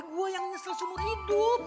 gua yang nyesel seumur hidup